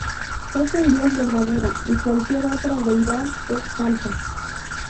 Él es el Dios verdadero y cualquier otra deidad es falsa.